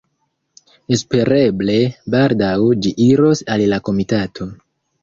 Espereble baldaŭ ĝi iros al la komitato.